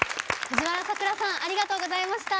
藤原さくらさんありがとうございました。